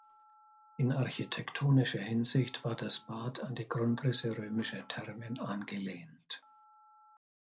In architektonischer Hinsicht war das Bad an die Grundrisse römischer Thermen angelehnt.